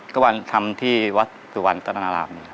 ก็ทำที่วัดสุวรรณรัฐนารามเอง